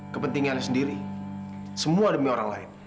kepentingan sendiri semua demi orang lain